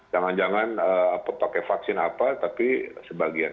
jangan jangan pakai vaksin apa tapi sebagian